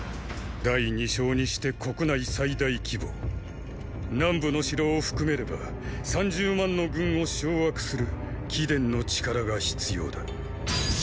第二将にして国内最大規模南部の城を含めれば三十万の軍を掌握する貴殿の力が必要だ。